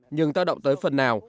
nhưng tác động tới phần nào